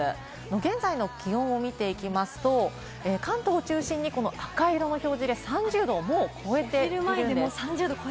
現在の気温を見ていきますと、関東を中心に赤色の表示で３０度を超えているんです。